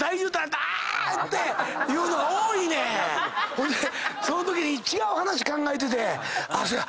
ほんでそのときに違う話考えててせや。